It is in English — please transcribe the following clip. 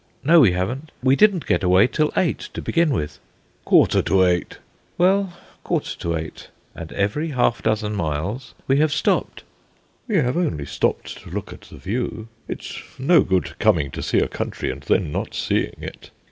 "No, we haven't. We didn't get away till eight, to begin with." "Quarter to eight." "Well, quarter to eight; and every half dozen miles we have stopped." "We have only stopped to look at the view. It's no good coming to see a country, and then not seeing it."